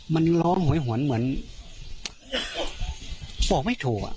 มันร้องโหยหวนเหมือนบอกไม่ถูก